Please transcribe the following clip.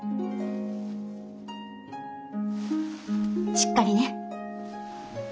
しっかりね。